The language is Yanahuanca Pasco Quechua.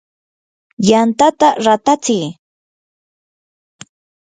yantata ratatsi.